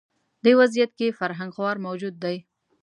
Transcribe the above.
دا وضعیت کې فرهنګ خوار موجود دی